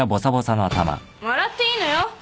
笑っていいのよ？